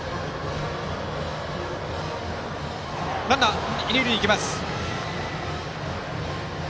ランナー、二塁へ行きます。